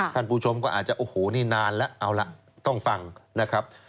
ท่านผู้ชมก็อาจจะโอ้โหนี่นานแล้วเอาล่ะต้องฟังนะครับ